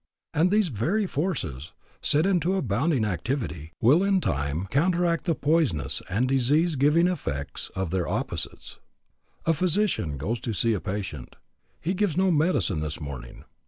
And these very forces, set into a bounding activity, will in time counteract the poisonous and disease giving effects of their opposites. A physician goes to see a patient. He gives no medicine this morning.